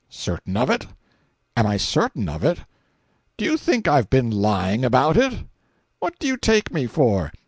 "Certain of it? Am I certain of it? Do you think I've been lying about it? What do you take me for?